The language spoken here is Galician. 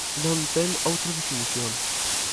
Non ten outra definición.